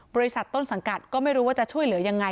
บริษัทต้นสังกัดก็ไม่รู้ว่าจะช่วยเหลือยังไง